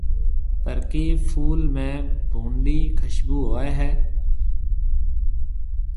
پر ڪيَ ڦول ۾ ڀونڏِي کشڀوُ هوئي هيَ۔